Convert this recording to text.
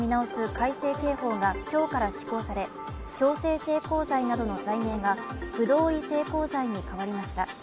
改正刑法が今日から施行され、強制性交罪などの罪名が不同意性交罪に変わりました。